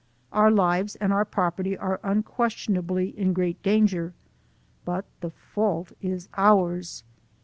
Our lives and our prop erty are unquestionably in great danger, but the fault is ours.